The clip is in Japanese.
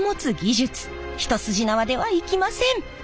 一筋縄ではいきません！